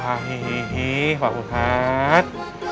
hahihihi pak ustadz